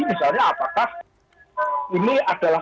misalnya apakah ini adalah